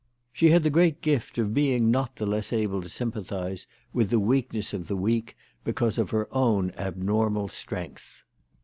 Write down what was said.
She had the great gift of being not the less able to sympathize with the weakness of the weak 276 THE TELEGEAPH GIRL. because of her own abnormal strength.